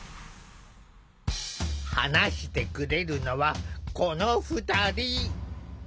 話してくれるのはこの２人。